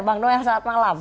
bang noel selamat malam